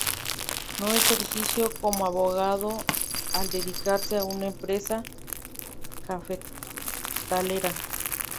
No ejerció como abogado al dedicarse a una empresa cafetalera.